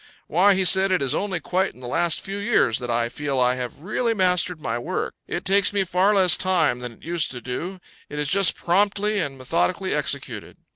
"Why," he said, "it is only quite in the last few years that I feel I have really mastered my work. It takes me far less time than it used to do; it is just promptly and methodically executed."